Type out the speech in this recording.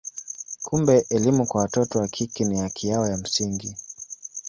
Kumbe elimu kwa watoto wa kike ni haki yao ya msingi.